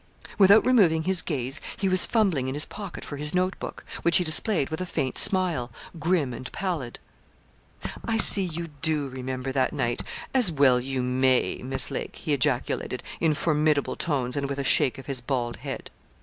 Without removing his gaze he was fumbling in his pocket for his note book, which he displayed with a faint smile, grim and pallid. 'I see you do remember that night as well you may, Miss Lake,' he ejaculated, in formidable tones, and with a shake of his bald head.